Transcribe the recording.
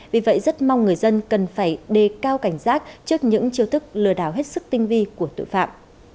vì vậy rất mong người dân cần phải đề cao cảnh giác trước những chiêu thức lừa đảo hết sức tinh vi của tội phạm